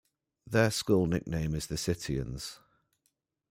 Their school nickname is the Citians.